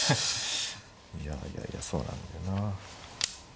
いやいやいやそうなんだよな。